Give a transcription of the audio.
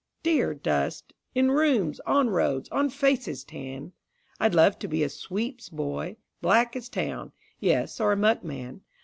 Dear dust, in rooms, on roads, on faces' tan! I'd love to be a sweep's boy, black as Town; Yes, or a muckman.